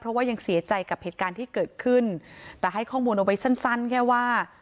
เพราะว่ายังเสียใจกับเหตุการณ์ที่เกิดขึ้นแต่ให้ข้อมูลเอาไว้สั้นสั้นแค่ว่า